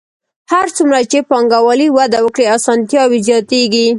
هر څومره چې پانګوالي وده وکړي اسانتیاوې زیاتېږي